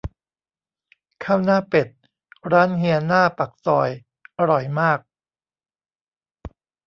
ข้าวหน้าเป็ด ร้านเฮียหน้าปากซอย อร่อยมาก